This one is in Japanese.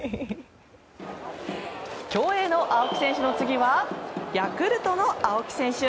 競泳の青木選手の次はヤクルトの青木選手！